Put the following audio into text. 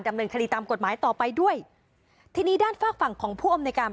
ดำเนินคดีตามกฎหมายต่อไปด้วยทีนี้ด้านฝากฝั่งของผู้อำนวยการ